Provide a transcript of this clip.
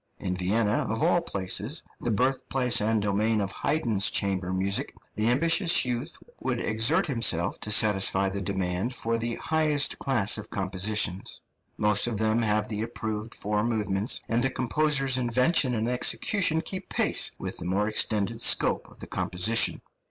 In Vienna, of all places, the birthplace and domain of Haydn's chamber music, the ambitious youth would exert himself to satisfy the demand for the highest class of compositions. Most of them have the approved four movements, and the composer's invention and execution keep pace with the more extended scope of the composition.